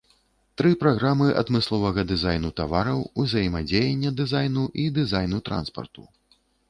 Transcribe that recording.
Тры праграмы адмысловага дызайну тавараў, узаемадзеяння дызайну і дызайну транспарту.